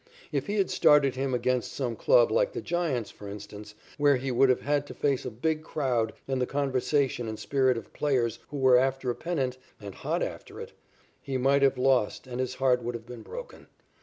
If he had started him against some club like the Giants, for instance, where he would have had to face a big crowd and the conversation and spirit of players who were after a pennant and hot after it, he might have lost and his heart would have been broken.